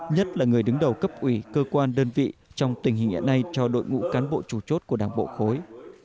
nhất là người đứng đầu cấp ủy cơ quan đơn vị trong tình hình hiện nay cho đội ngũ cán bộ chủ chốt của đảng bộ khối